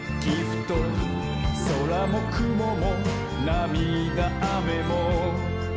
「そらもくももなみだあめも」